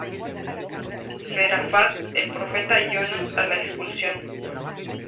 Sefarad: del profeta Jonás a la expulsión.